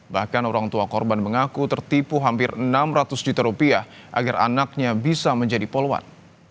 bahkan orang tua korban mengaku tertipu hampir enam ratus juta rupiah agar anaknya bisa menjadi poluan